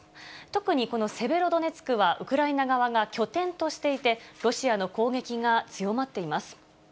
特にこのセベロドネツクは、ウクライナ側が拠点としていて、ロシアの攻撃が強まっています。